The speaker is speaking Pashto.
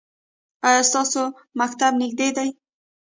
ایا ستاسو مکتب نږدې دی؟